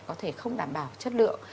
có thể không đảm bảo chất lượng